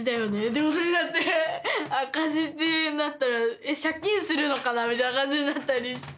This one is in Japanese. でもそれだって赤字ってなったらえっ借金するのかなみたいな感じになったりして。